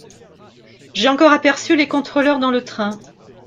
J'ai encore aperçu les contrôleurs dans le train.